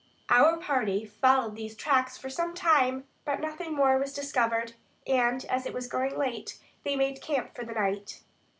Our party followed these tracks for some time, but nothing more was discovered; and, as it was growing late, they made camp for the night.